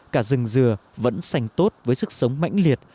cả rừng dừa vẫn sành tốt với sức sống mãnh liệt